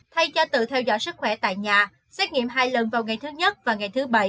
thay cho tự theo dõi sức khỏe tại nhà xét nghiệm hai lần vào ngày thứ nhất và ngày thứ bảy